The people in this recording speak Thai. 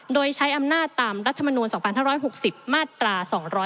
โดยใช้อำนาจตามรัฐมนูล๒๕๖๐มาตรา๒๗